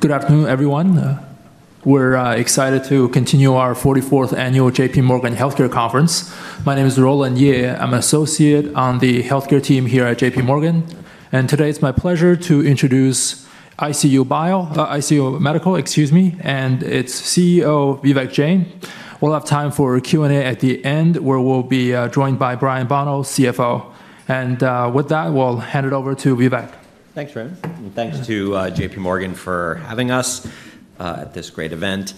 Good afternoon, everyone. We're excited to continue our 44th Annual JPMorgan Healthcare Conference. My name is Roland Ye. I'm an associate on the healthcare team here at JPMorgan. And today it's my pleasure to introduce ICU Medical, excuse me, and its CEO, Vivek Jain. We'll have time for a Q&A at the end, where we'll be joined by Brian Bonnell, CFO. And with that, we'll hand it over to Vivek. Thanks, Roland. And thanks to JPMorgan for having us at this great event.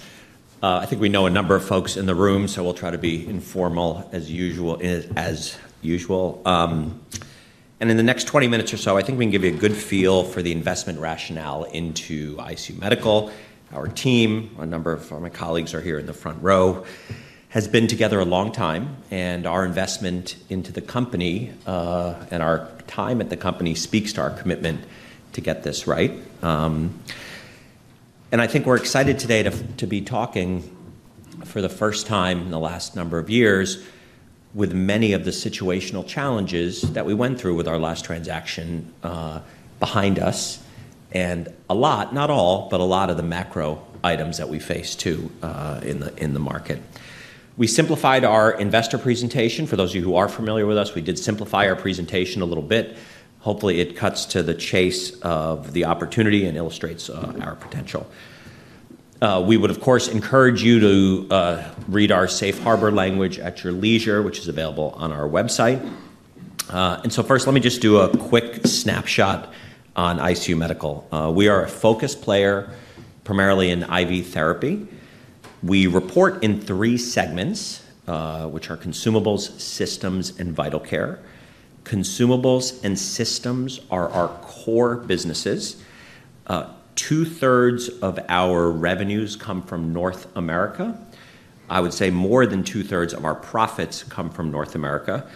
I think we know a number of folks in the room, so we'll try to be informal as usual. And in the next 20 minutes or so, I think we can give you a good feel for the investment rationale into ICU Medical. Our team, a number of my colleagues are here in the front row, has been together a long time. And our investment into the company and our time at the company speaks to our commitment to get this right. And I think we're excited today to be talking for the first time in the last number of years with many of the situational challenges that we went through with our last transaction behind us, and a lot, not all, but a lot of the macro items that we faced too in the market. We simplified our investor presentation. For those of you who are familiar with us, we did simplify our presentation a little bit. Hopefully, it cuts to the chase of the opportunity and illustrates our potential. We would, of course, encourage you to read our Safe Harbor language at your leisure, which is available on our website, and so first, let me just do a quick snapshot on ICU Medical. We are a focused player, primarily in IV therapy. We report in three segments, which are Consumables, Systems, and Vital Care. Consumables and Systems are our core businesses. Two-thirds of our revenues come from North America. I would say more than two-thirds of our profits come from North America,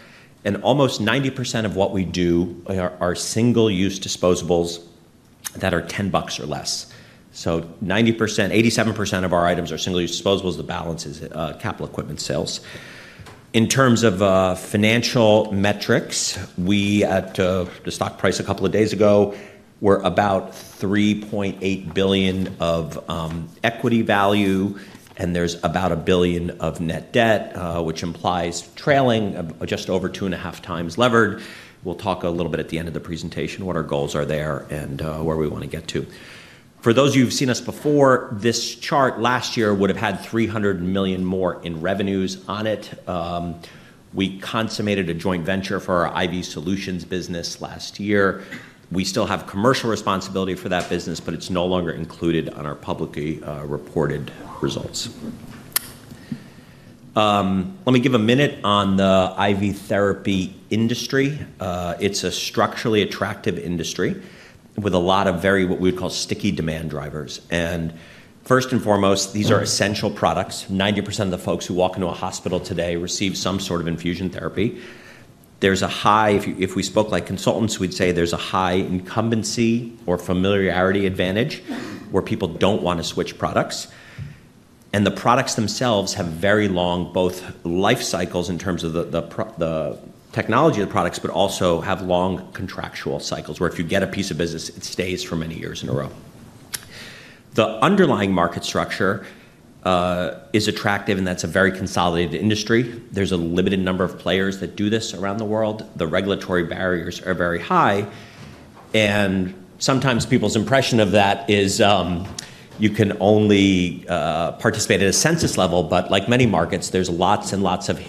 and almost 90% of what we do are single-use disposables that are $10 or less, so 87% of our items are single-use disposables. The balance is capital equipment sales. In terms of financial metrics, we're at the stock price a couple of days ago. We're about $3.8 billion of equity value, and there's about $1 billion of net debt, which implies trailing just over two and a half times levered. We'll talk a little bit at the end of the presentation what our goals are there and where we want to get to. For those of you who've seen us before, this chart last year would have had $300 million more in revenues on it. We consummated a joint venture for our IV solutions business last year. We still have commercial responsibility for that business, but it's no longer included on our publicly reported results. Let me give a minute on the IV therapy industry. It's a structurally attractive industry with a lot of very what we would call sticky demand drivers. First and foremost, these are essential products. 90% of the folks who walk into a hospital today receive some sort of infusion therapy. If we spoke like consultants, we'd say there's a high incumbency or familiarity advantage where people don't want to switch products. The products themselves have very long both life cycles in terms of the technology of the products, but also have long contractual cycles where if you get a piece of business, it stays for many years in a row. The underlying market structure is attractive, and that's a very consolidated industry. There's a limited number of players that do this around the world. The regulatory barriers are very high. Sometimes people's impression of that is you can only participate at a census level. But like many markets, there's lots and lots of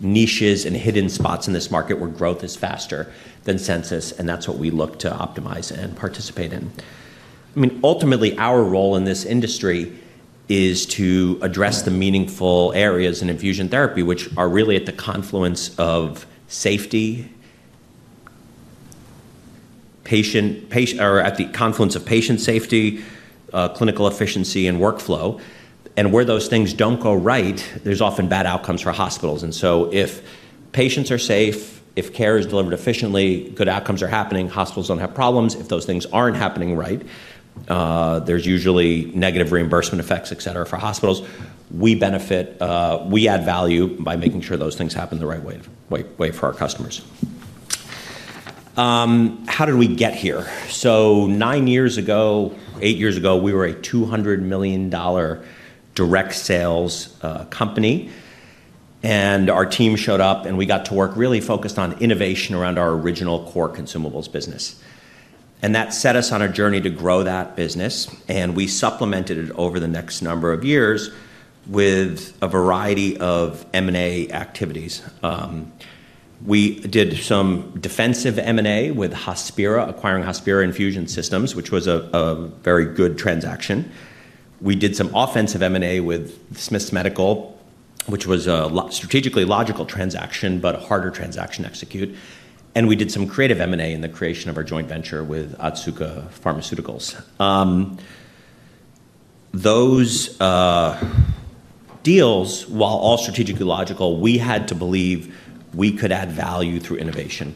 niches and hidden spots in this market where growth is faster than census. And that's what we look to optimize and participate in. I mean, ultimately, our role in this industry is to address the meaningful areas in infusion therapy, which are really at the confluence of safety or at the confluence of patient safety, clinical efficiency, and workflow. And where those things don't go right, there's often bad outcomes for hospitals. And so if patients are safe, if care is delivered efficiently, good outcomes are happening, hospitals don't have problems. If those things aren't happening right, there's usually negative reimbursement effects, et cetera, for hospitals. We add value by making sure those things happen the right way for our customers. How did we get here? So nine years ago, eight years ago, we were a $200 million direct sales company. And our team showed up, and we got to work really focused on innovation around our original core consumables business. And that set us on a journey to grow that business. And we supplemented it over the next number of years with a variety of M&A activities. We did some defensive M&A with Hospira, acquiring Hospira infusion systems, which was a very good transaction. We did some offensive M&A with Smiths Medical, which was a strategically logical transaction, but a harder transaction to execute. And we did some creative M&A in the creation of our joint venture with Otsuka Pharmaceutical. Those deals, while all strategically logical, we had to believe we could add value through innovation.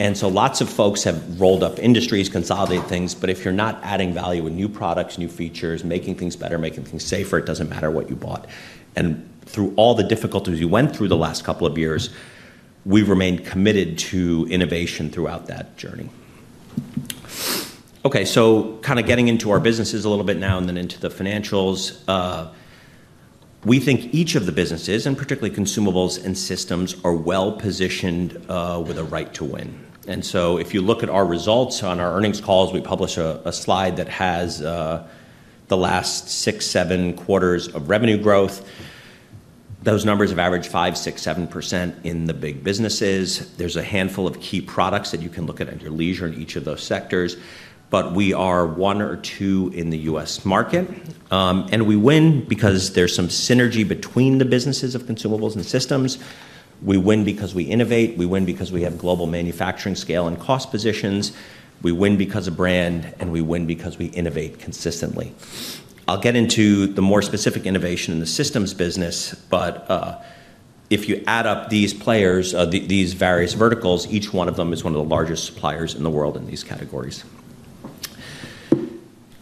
And so lots of folks have rolled up industries, consolidated things. But if you're not adding value with new products, new features, making things better, making things safer, it doesn't matter what you bought. And through all the difficulties we went through the last couple of years, we remained committed to innovation throughout that journey. Okay, so kind of getting into our businesses a little bit now and then into the financials. We think each of the businesses, and particularly consumables and systems, are well positioned with a right to win. And so if you look at our results on our earnings calls, we publish a slide that has the last six, seven quarters of revenue growth. Those numbers have averaged 5%, 6%, 7% in the big businesses. There's a handful of key products that you can look at at your leisure in each of those sectors. But we are one or two in the U.S. market. And we win because there's some synergy between the businesses of consumables and systems. We win because we innovate. We win because we have global manufacturing scale and cost positions. We win because of brand, and we win because we innovate consistently. I'll get into the more specific innovation in the systems business. But if you add up these players, these various verticals, each one of them is one of the largest suppliers in the world in these categories.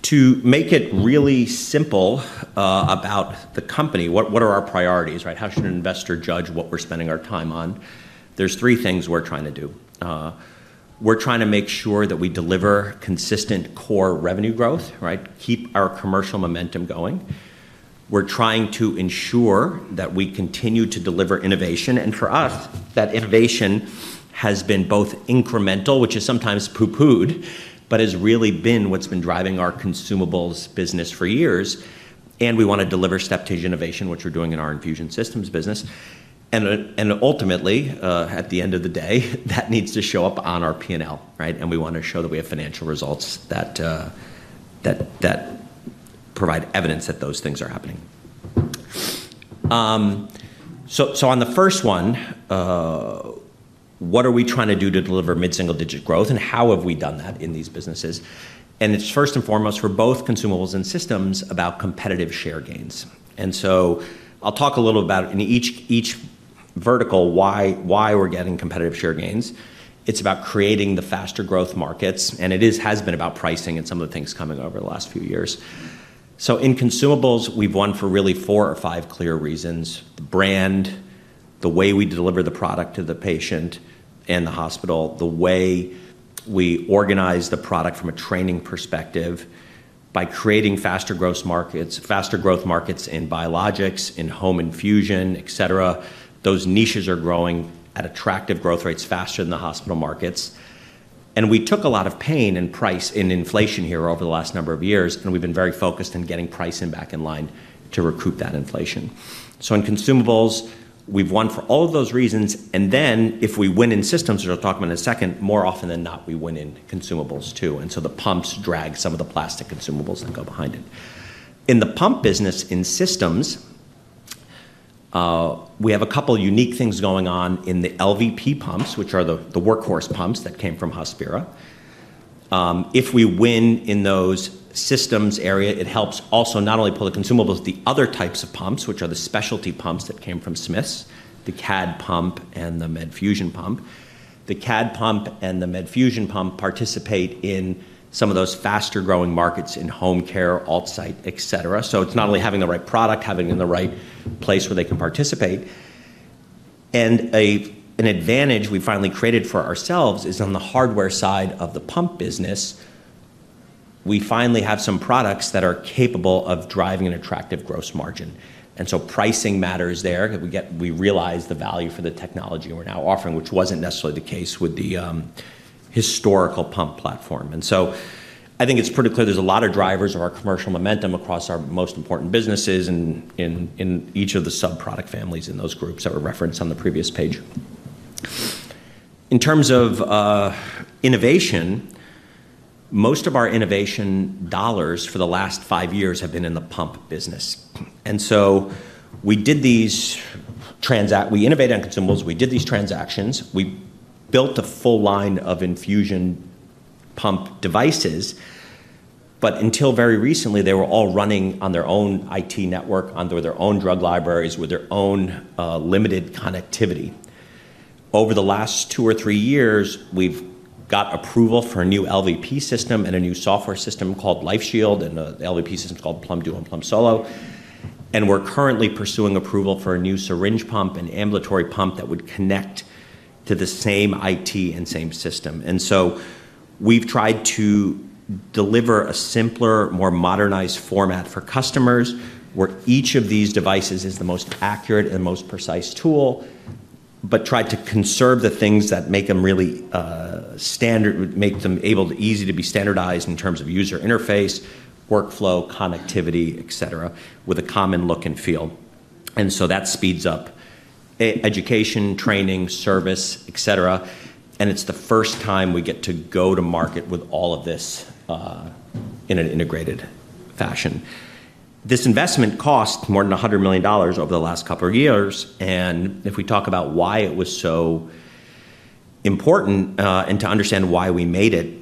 To make it really simple about the company, what are our priorities? How should an investor judge what we're spending our time on? There's three things we're trying to do. We're trying to make sure that we deliver consistent core revenue growth, keep our commercial momentum going. We're trying to ensure that we continue to deliver innovation. And for us, that innovation has been both incremental, which is sometimes pooh-poohed, but has really been what's been driving our consumables business for years. And we want to deliver step-stage innovation, which we're doing in our infusion systems business. And ultimately, at the end of the day, that needs to show up on our P&L. And we want to show that we have financial results that provide evidence that those things are happening. So on the first one, what are we trying to do to deliver mid-single-digit growth, and how have we done that in these businesses? And it's first and foremost for both consumables and systems about competitive share gains. And so I'll talk a little about in each vertical why we're getting competitive share gains. It's about creating the faster growth markets. And it has been about pricing and some of the things coming over the last few years. So in consumables, we've won for really four or five clear reasons: the brand, the way we deliver the product to the patient and the hospital, the way we organize the product from a training perspective by creating faster growth markets in biologics, in home infusion, et cetera. Those niches are growing at attractive growth rates faster than the hospital markets. And we took a lot of pain in price and inflation here over the last number of years. And we've been very focused on getting price back in line to recoup that inflation. So in consumables, we've won for all of those reasons. And then if we win in systems, which I'll talk about in a second, more often than not, we win in consumables too. And so the pumps drag some of the plastic consumables that go behind it. In the pump business in systems, we have a couple of unique things going on in the LVP pumps, which are the workhorse pumps that came from Hospira. If we win in those systems area, it helps also not only pull the consumables, the other types of pumps, which are the specialty pumps that came from Smiths, the CADD pump and the Medfusion pump. The CADD pump and the Medfusion pump participate in some of those faster growing markets in home care, alt site, et cetera. So it's not only having the right product, having it in the right place where they can participate. And an advantage we finally created for ourselves is on the hardware side of the pump business, we finally have some products that are capable of driving an attractive gross margin. And so pricing matters there. We realize the value for the technology we're now offering, which wasn't necessarily the case with the historical pump platform. And so I think it's pretty clear there's a lot of drivers of our commercial momentum across our most important businesses and in each of the sub-product families in those groups that were referenced on the previous page. In terms of innovation, most of our innovation dollars for the last five years have been in the pump business. And so we did these transactions. We innovated on consumables. We did these transactions. We built a full line of infusion pump devices. But until very recently, they were all running on their own IT network, under their own drug libraries, with their own limited connectivity. Over the last two or three years, we've got approval for a new LVP system and a new software system called LifeShield and an LVP system called Plum Duo and Plum Solo, and we're currently pursuing approval for a new syringe pump and ambulatory pump that would connect to the same IT and same system. And so we've tried to deliver a simpler, more modernized format for customers where each of these devices is the most accurate and most precise tool, but tried to conserve the things that make them really standard, make them easy to be standardized in terms of user interface, workflow, connectivity, et cetera, with a common look and feel, and so that speeds up education, training, service, et cetera, and it's the first time we get to go to market with all of this in an integrated fashion. This investment cost more than $100 million over the last couple of years. And if we talk about why it was so important and to understand why we made it,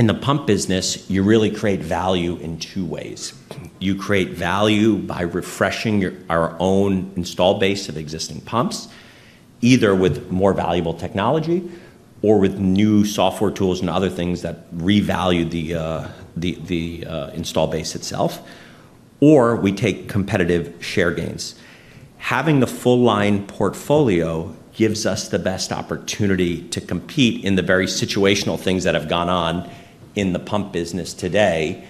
in the pump business, you really create value in two ways. You create value by refreshing our own installed base of existing pumps, either with more valuable technology or with new software tools and other things that revalue the installed base itself, or we take competitive share gains. Having the full line portfolio gives us the best opportunity to compete in the very situational things that have gone on in the pump business today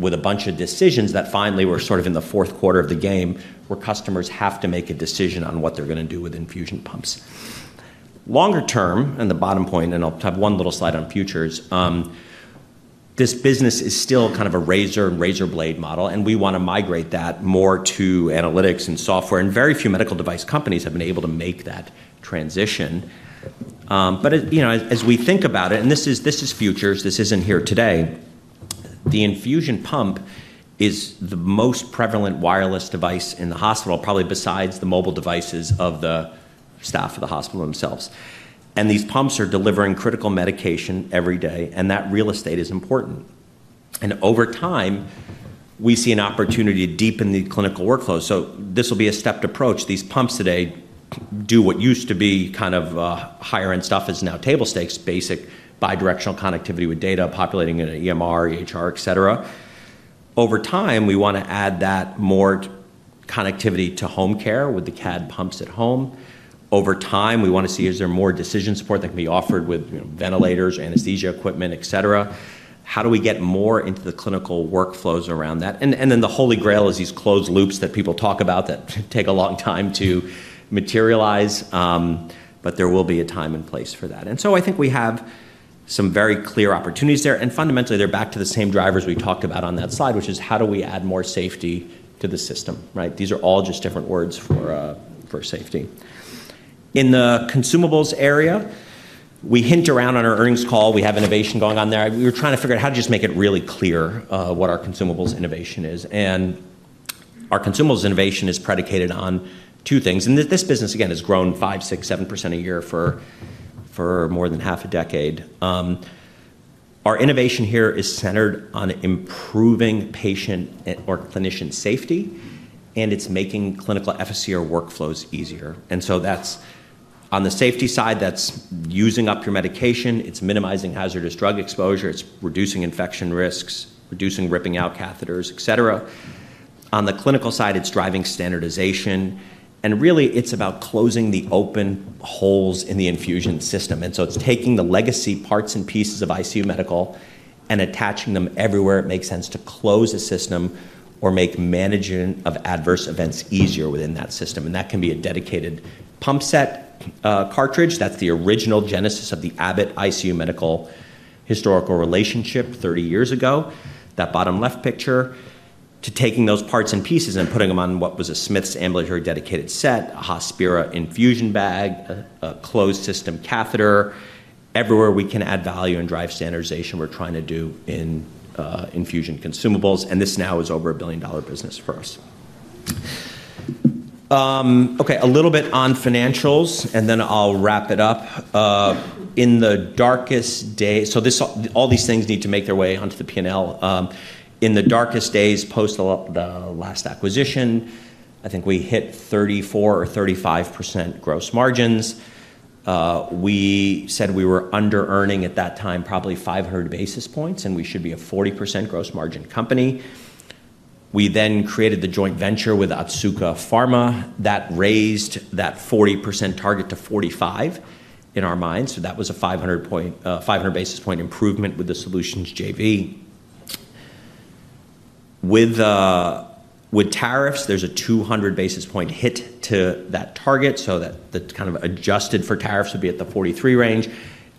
with a bunch of decisions that finally were sort of in the fourth quarter of the game where customers have to make a decision on what they're going to do with infusion pumps. Longer term, and the bottom point, and I'll have one little slide on futures. This business is still kind of a razor-blade model, and we want to migrate that more to analytics and software. And very few medical device companies have been able to make that transition. But as we think about it, and this is futures, this isn't here today, the infusion pump is the most prevalent wireless device in the hospital, probably besides the mobile devices of the staff of the hospital themselves. And these pumps are delivering critical medication every day, and that real estate is important. And over time, we see an opportunity to deepen the clinical workflow. So this will be a stepped approach. These pumps today do what used to be kind of higher-end stuff is now table stakes, basic bidirectional connectivity with data populating in an EMR, EHR, et cetera. Over time, we want to add that more connectivity to home care with the CADD pumps at home. Over time, we want to see is there more decision support that can be offered with ventilators, anesthesia equipment, et cetera. How do we get more into the clinical workflows around that? And then the holy grail is these closed loops that people talk about that take a long time to materialize. But there will be a time and place for that. And so I think we have some very clear opportunities there. And fundamentally, they're back to the same drivers we talked about on that slide, which is how do we add more safety to the system? These are all just different words for safety. In the consumables area, we hint around on our earnings call. We have innovation going on there. We were trying to figure out how to just make it really clear what our consumables innovation is, and our consumables innovation is predicated on two things, and this business, again, has grown 5%, 6%, 7% a year for more than half a decade. Our innovation here is centered on improving patient or clinician safety, and it's making clinical FSCR workflows easier, and so on the safety side, that's using up your medication. It's minimizing hazardous drug exposure. It's reducing infection risks, reducing ripping out catheters, et cetera. On the clinical side, it's driving standardization, and really, it's about closing the open holes in the infusion system, and so it's taking the legacy parts and pieces of ICU Medical and attaching them everywhere it makes sense to close a system or make management of adverse events easier within that system, and that can be a dedicated pump set cartridge. That's the original genesis of the Abbott ICU Medical historical relationship 30 years ago, that bottom left picture, to taking those parts and pieces and putting them on what was a Smiths ambulatory dedicated set, a Hospira infusion bag, a closed system catheter. Everywhere we can add value and drive standardization, we're trying to do in infusion consumables, and this now is over a billion-dollar business for us. Okay, a little bit on financials, and then I'll wrap it up. In the darkest days, so all these things need to make their way onto the P&L. In the darkest days post the last acquisition, I think we hit 34% or 35% gross margins. We said we were under-earning at that time, probably 500 basis points, and we should be a 40% gross margin company. We then created the joint venture with Otsuka Pharma that raised that 40% target to 45% in our minds. So that was a 500 basis points improvement with the solutions JV. With tariffs, there's a 200 basis points hit to that target. So that kind of adjusted for tariffs would be at the 43% range.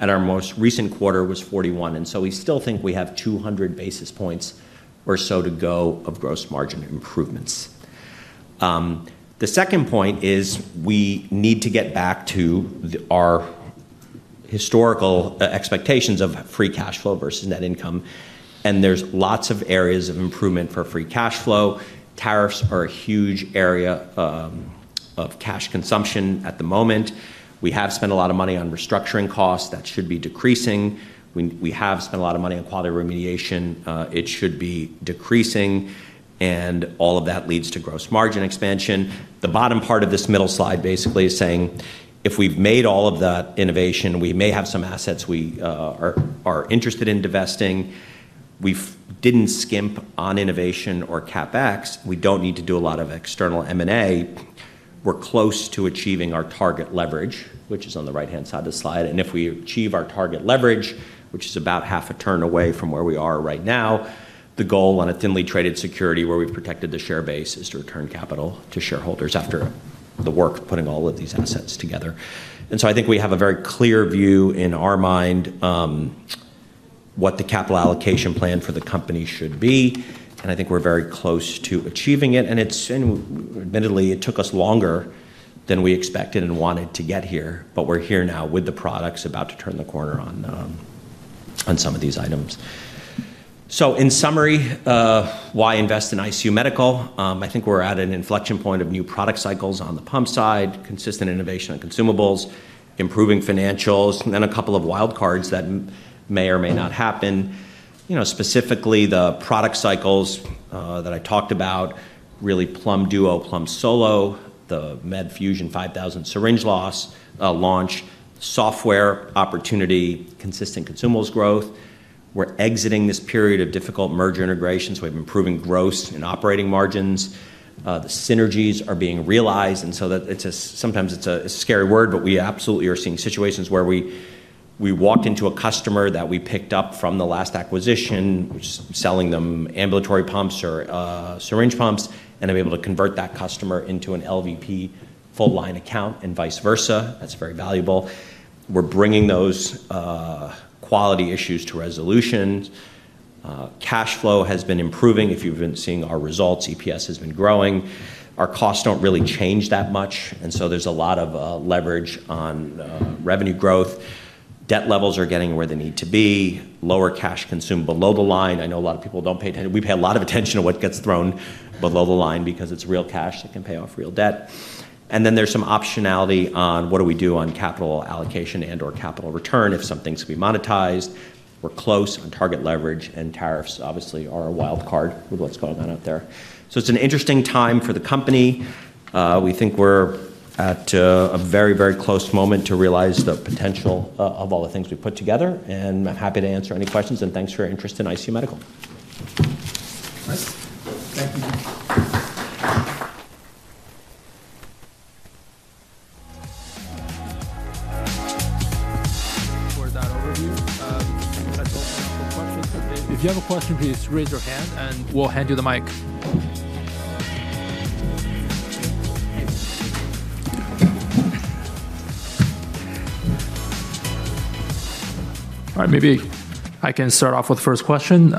At our most recent quarter, it was 41%. And so we still think we have 200 basis points or so to go of gross margin improvements. The second point is we need to get back to our historical expectations of free cash flow versus net income. And there's lots of areas of improvement for free cash flow. Tariffs are a huge area of cash consumption at the moment. We have spent a lot of money on restructuring costs. That should be decreasing. We have spent a lot of money on quality remediation. It should be decreasing. And all of that leads to gross margin expansion. The bottom part of this middle slide basically is saying, if we've made all of that innovation, we may have some assets we are interested in divesting. We didn't skimp on innovation or CapEx. We don't need to do a lot of external M&A. We're close to achieving our target leverage, which is on the right-hand side of the slide. And if we achieve our target leverage, which is about half a turn away from where we are right now, the goal on a thinly traded security where we've protected the share base is to return capital to shareholders after the work of putting all of these assets together. And so I think we have a very clear view in our mind what the capital allocation plan for the company should be. And I think we're very close to achieving it. And admittedly, it took us longer than we expected and wanted to get here. But we're here now with the products about to turn the corner on some of these items. So in summary, why invest in ICU Medical? I think we're at an inflection point of new product cycles on the pump side, consistent innovation on consumables, improving financials, and then a couple of wild cards that may or may not happen. Specifically, the product cycles that I talked about, really Plum Duo, Plum Solo, the Medfusion 5000 syringe pump launch, software opportunity, consistent consumables growth. We're exiting this period of difficult merger integrations. We have improving gross and operating margins. The synergies are being realized. And so sometimes it's a scary word, but we absolutely are seeing situations where we walked into a customer that we picked up from the last acquisition, which is selling them ambulatory pumps or syringe pumps, and I'm able to convert that customer into an LVP full line account and vice versa. That's very valuable. We're bringing those quality issues to resolution. Cash flow has been improving. If you've been seeing our results, EPS has been growing. Our costs don't really change that much. And so there's a lot of leverage on revenue growth. Debt levels are getting where they need to be. Lower cash consumed below the line. I know a lot of people don't pay attention. We pay a lot of attention to what gets thrown below the line because it's real cash that can pay off real debt. And then there's some optionality on what do we do on capital allocation and/or capital return if something's to be monetized. We're close on target leverage, and tariffs obviously are a wild card with what's going on out there. So it's an interesting time for the company. We think we're at a very, very close moment to realize the potential of all the things we put together. And I'm happy to answer any questions. And thanks for your interest in ICU Medical. Thank you. For that overview. If you have a question, please raise your hand, and we'll hand you the mic. All right, maybe I can start off with the first question.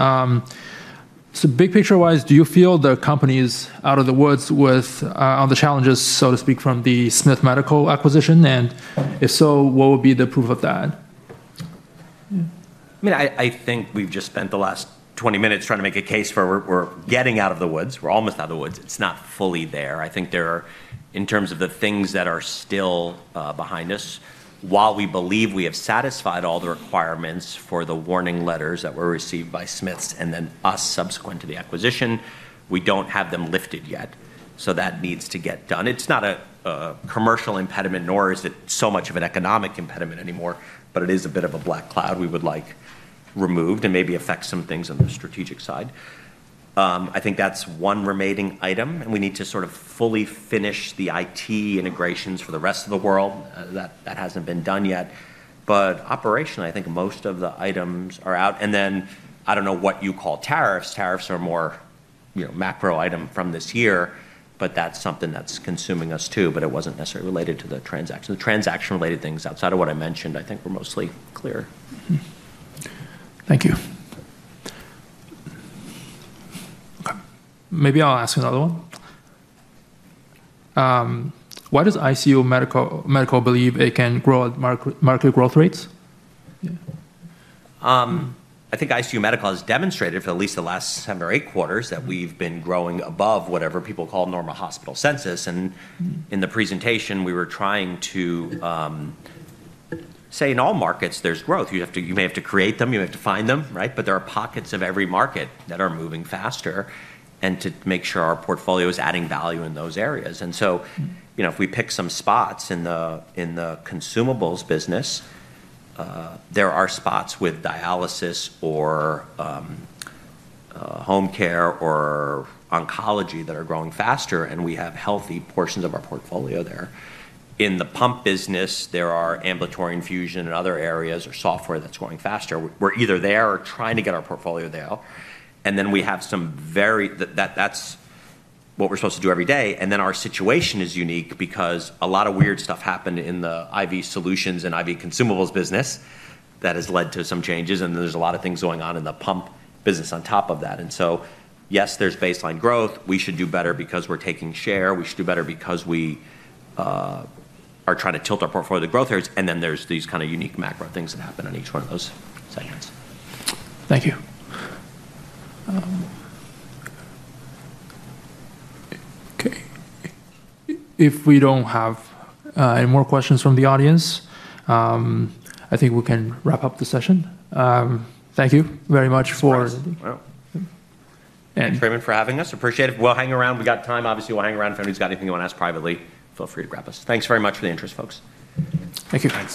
So big picture-wise, do you feel the company is out of the woods on the challenges, so to speak, from the Smiths Medical acquisition? And if so, what would be the proof of that? I mean, I think we've just spent the last 20 minutes trying to make a case for we're getting out of the woods. We're almost out of the woods. It's not fully there. I think there are, in terms of the things that are still behind us, while we believe we have satisfied all the requirements for the warning letters that were received by Smiths and then us subsequent to the acquisition, we don't have them lifted yet. So that needs to get done. It's not a commercial impediment, nor is it so much of an economic impediment anymore, but it is a bit of a black cloud we would like removed and maybe affect some things on the strategic side. I think that's one remaining item, and we need to sort of fully finish the IT integrations for the rest of the world. That hasn't been done yet. But operationally, I think most of the items are out. And then I don't know what you call tariffs. Tariffs are a more macro item from this year, but that's something that's consuming us too, but it wasn't necessarily related to the transaction. The transaction-related things outside of what I mentioned, I think we're mostly clear. Thank you. Okay. Maybe I'll ask another one. Why does ICU Medical believe it can grow at market growth rates? I think ICU Medical has demonstrated for at least the last seven or eight quarters that we've been growing above whatever people call normal hospital census. And in the presentation, we were trying to say in all markets, there's growth. You may have to create them. You may have to find them, right? But there are pockets of every market that are moving faster and to make sure our portfolio is adding value in those areas. And so if we pick some spots in the consumables business, there are spots with dialysis or home care or oncology that are growing faster, and we have healthy portions of our portfolio there. In the pump business, there are ambulatory infusion and other areas or software that's going faster. We're either there or trying to get our portfolio there. And then we have some very that's what we're supposed to do every day. And then our situation is unique because a lot of weird stuff happened in the IV solutions and IV consumables business that has led to some changes. And then there's a lot of things going on in the pump business on top of that. And so yes, there's baseline growth. We should do better because we're taking share. We should do better because we are trying to tilt our portfolio to growth areas. And then there's these kind of unique macro things that happen on each one of those segments. Thank you. Okay. If we don't have any more questions from the audience, I think we can wrap up the session. Thank you very much for. Thanks, Roland, for having us. Appreciate it. We'll hang around. We got time. Obviously, we'll hang around. If anybody's got anything you want to ask privately, feel free to grab us. Thanks very much for the interest, folks. Thank you.